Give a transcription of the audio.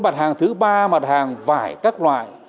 mặt hàng thứ ba mặt hàng vải các loại